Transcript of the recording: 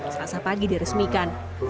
semasa pagi diresmikan